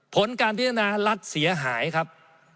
ผลการพิจารณารัฐเสียหายครับ